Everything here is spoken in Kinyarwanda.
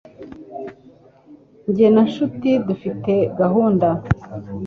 Jye na nshuti dufite gahunda